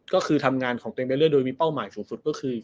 ก็คือทำงานของตัวเองไปเรื่อยโดยมีเป้าหมายสูงสุดก็คือ